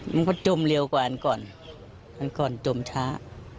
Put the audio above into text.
มันก็จมเร็วกว่าอันก่อนอันก่อนจมช้า